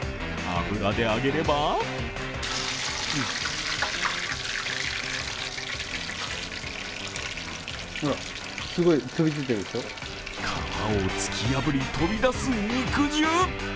油で揚げれば皮を突き破り飛び出す肉汁。